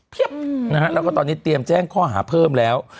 นะฮะแล้วก็ตอนนี้เตรียมแจ้งข้อหาเพิ่มแล้ว